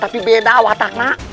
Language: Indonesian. tapi beda wataknya